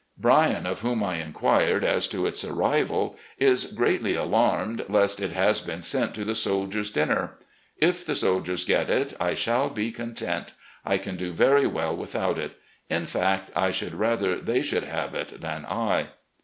Bryan, of whom I inquired as to its arrival, is greatly alarmed lest it has been sent to the soldiers' dinner. If the soldiers get it, I shall be content. I can do very well without it. In fact, I should rather they should have it than I.